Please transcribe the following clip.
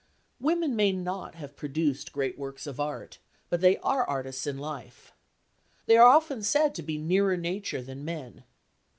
Women may not have produced great works of art, but they are artists in life. They are often said to be nearer nature than men.